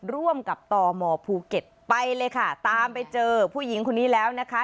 ร่วมกับตมภูเก็ตไปเลยค่ะตามไปเจอผู้หญิงคนนี้แล้วนะคะ